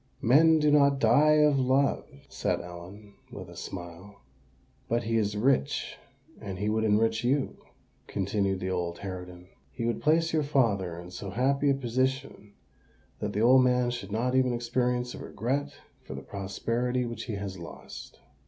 "Men do not die of love," said Ellen, with a smile. "But he is rich—and he would enrich you," continued the old harridan: "he would place your father in so happy a position that the old man should not even experience a regret for the prosperity which he has lost."